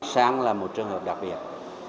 sang là một trường hợp đặc biệt